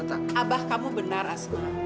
abah kamu benar asma